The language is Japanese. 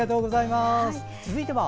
続いては。